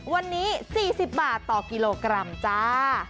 วันนี้๔๐บาทต่อกิโลกรัมจ้า